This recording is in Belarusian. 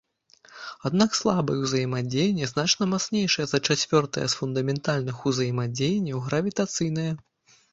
Аднак слабае ўзаемадзеянне значна мацнейшае за чацвёртае з фундаментальных узаемадзеянняў, гравітацыйнае.